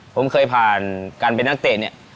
ผมเคยผ่านการเป็นนักเตะเนี่ย